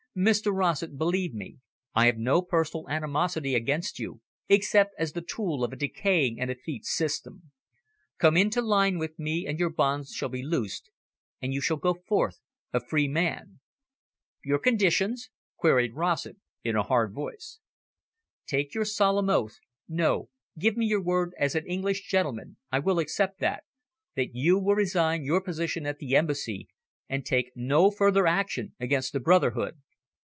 "Mr Rossett, believe me, I have no personal animosity against you, except as the tool of a decaying and effete system. Come into line with me, and your bonds shall be loosed, and you shall go forth a free man." "Your conditions?" queried Rossett, in a hard voice. "Take your solemn oath, no, give me your word as an English gentleman I will accept that that you will resign your position at the Embassy, and take no further action against the brotherhood."